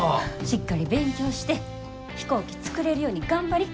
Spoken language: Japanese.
しっかり勉強して飛行機作れるように頑張り。